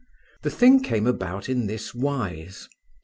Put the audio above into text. The thing came about in this wise.